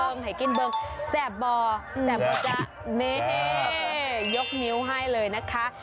นี่ไข่กินเบิ่งแซ่บบ่อจ๊ะนี่ยกนิ้วให้เลยนะคะ